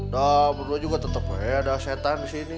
dah berdua juga tetep beda setan di sini